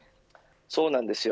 そうなんですよ。